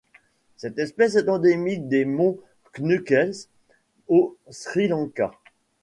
Cette espèce est endémique des monts Knuckles au Sri Lanka.